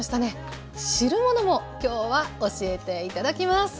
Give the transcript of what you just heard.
汁物もきょうは教えて頂きます。